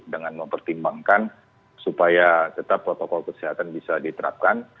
dengan mempertimbangkan supaya tetap protokol kesehatan bisa diterapkan